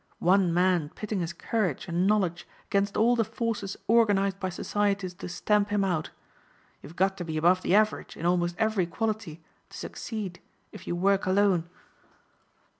One man pitting his courage and knowledge against all the forces organized by society to stamp him out. You've got to be above the average in almost every quality to succeed if you work alone."